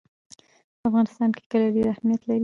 په افغانستان کې کلي ډېر اهمیت لري.